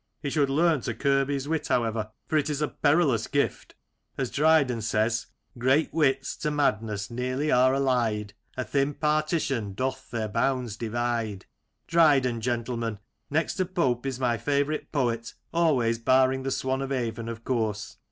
He should learn to curb his wit, however, for it is a perilous gift. As Dryden says :—Great wits to madness nearly are allied, A thin partition doth their bounds divide." Dryden, gentlemen, next to Pope, is my favourite poet — always barring the Swan of Avon, of course.